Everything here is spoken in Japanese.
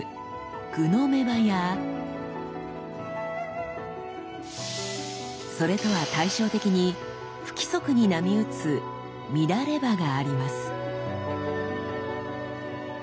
「互の目刃」やそれとは対照的に不規則に波打つ「乱刃」があります。